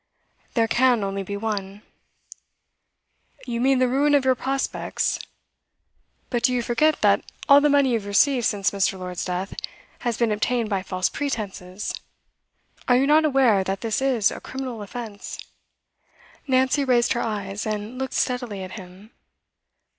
'There can only be one.' 'You mean the ruin of your prospects. But do you forget that all the money you have received since Mr. Lord's death has been obtained by false pretences? Are you not aware that this is a criminal offence?' Nancy raised her eyes and looked steadily at him.